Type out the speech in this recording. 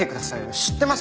知ってます。